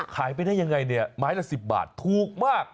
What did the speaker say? ขายไปได้ยังไงเนี่ยไม้ละ๑๐บาทถูกมาก